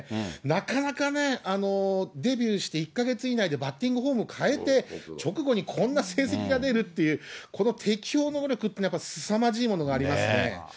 なかなかね、デビューして１か月以内で、バッティングフォームを変えて、直後にこんな成績が出るっていう、この適応能力って、すさまじいものがありますね。